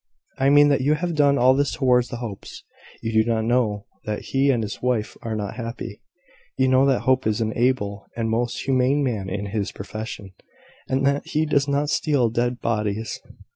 "I mean that you have done all this towards the Hopes. You do not know that he and his wife are not happy. You know that Hope is an able and most humane man in his profession, and that he does not steal dead bodies.